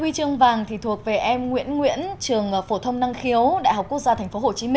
hai huy chương vàng thì thuộc về em nguyễn nguyễn trường phổ thông năng khiếu đại học quốc gia tp hcm